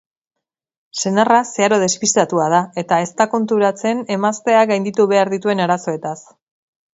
Senarra zeharo despistatua da eta ez da konturatzen emazteak gainditu behar dituen arazoetaz.